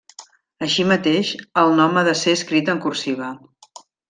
Així mateix, el nom ha de ser escrit en cursiva.